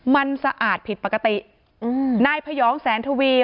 มันสะอาดผิดปกติอืมนายพยองแสนทวี